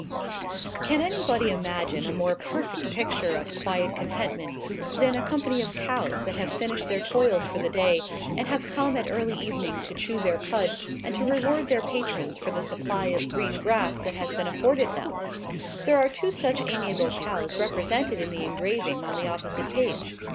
] Can any body imagine a more perfect picture of quiet contentment, than a company of cows that have finished their toils for the day, and have come at early evening to chew their cud, and to reward their patrons for the supply of green grass that has been afforded them? There are two such amiable cows represented in the engraving on the opposite page.